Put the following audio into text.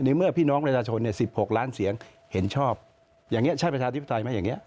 เมื่อพี่น้องประชาชน๑๖ล้านเสียงเห็นชอบอย่างนี้ใช่ประชาธิปไตยไหมอย่างนี้